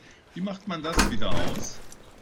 Wie macht man das wieder aus?